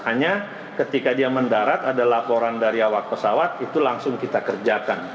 hanya ketika dia mendarat ada laporan dari awak pesawat itu langsung kita kerjakan